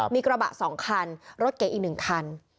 มีกระบะ๒คันรถเก๋งอีก๑คัน